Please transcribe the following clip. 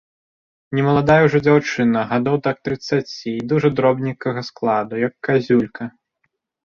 Немаладая ўжо дзяўчына, гадоў так трыццаці, і дужа дробненькага складу, як казюлька.